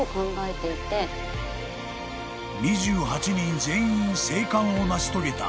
［２８人全員生還を成し遂げた隊長